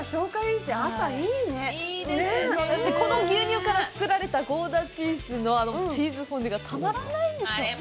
この牛乳から作られたゴーダチーズのチーズフォンデュがたまらないんですよ。